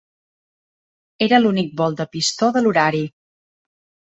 Era l'únic vol de pistó de l'horari.